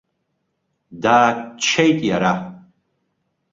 Дааччеит иара.